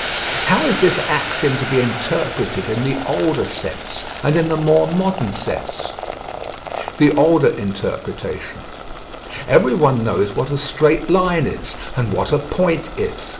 How is this axiom to be interpreted in the older sense and in the more modern sense? The older interpretation: Every one knows what a straight line is, and what a point is.